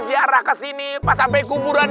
biarah ke sini pas sampe kuburan